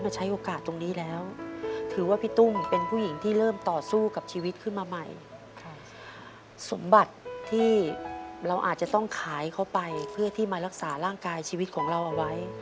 เพื่อที่มารักษาร่างกายชีวิตของเราเอาไว้